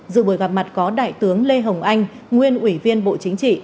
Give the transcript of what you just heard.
dự buổi gặp mặt có đại tướng lê hồng anh nguyên ủy viên bộ chính trị